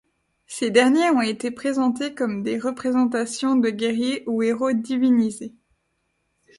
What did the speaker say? Ces derniers ont été présentés comme des représentations de guerriers ou héros divinisés.